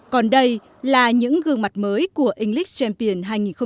còn đây là những gương mặt mới của english champion hai nghìn một mươi bảy